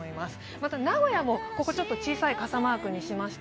また名古屋も、ここちょっと小さい傘マークにしました。